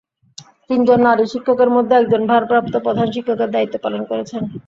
তিনজন নারী শিক্ষকের মধ্যে একজন ভারপ্রাপ্ত প্রধান শিক্ষকের দায়িত্ব পালন করছেন।